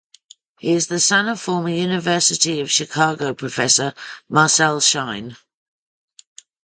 He is the son of former University of Chicago professor Marcel Schein.